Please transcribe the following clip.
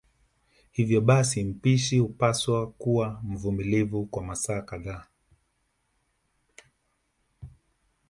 Hivyo basi mpishi hupaswa kuwa mvumilivu kwa masaa kadhaa